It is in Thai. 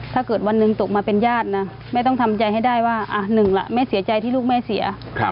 ถ้าเกิดวันหนึ่งตกมาเป็นญาตินะแม่ต้องทำใจให้ได้ว่าหนึ่งล่ะแม่เสียใจที่ลูกแม่เสีย